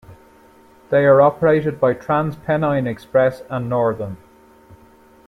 They are operated by TransPennine Express and Northern.